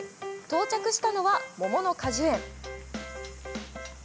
到着したのは、桃の果樹園。